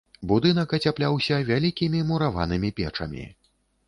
Будынак ацяпляўся вялікімі мураванымі печамі.